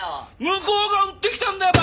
向こうが売ってきたんだよ